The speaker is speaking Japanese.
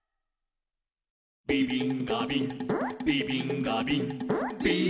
「ビビンがビンビビンがビン」「ビン」